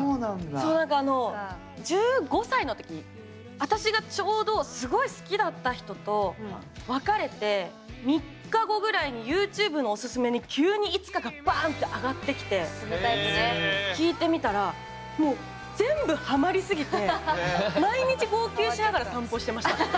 そう何かあの１５歳の時にあたしがちょうどすごい好きだった人と別れて３日後ぐらいにＹｏｕＴｕｂｅのおすすめに急に「いつか」がバンッて上がってきて聴いてみたらもう全部ハマりすぎて毎日号泣しながら散歩してました。